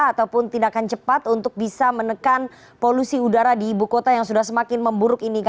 ataupun tindakan cepat untuk bisa menekan polusi udara di ibu kota yang sudah semakin memburuk ini